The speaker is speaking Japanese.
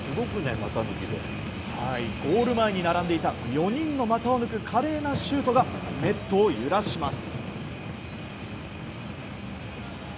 ゴール前に並んでいた４人の股を抜く華麗なシュートがネットを揺らします。